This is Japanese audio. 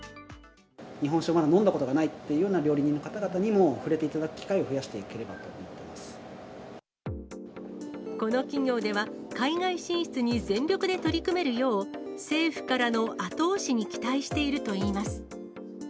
日本酒をまだ飲んだことがないっていう料理人の方々にも触れていただく機会を増やしていけれこの企業では、海外進出に全力で取り組めるよう、政府からの後押しに期待しているといいます。